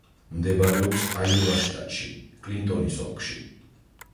მდებარეობს აიოვის შტატში, კლინტონის ოლქში.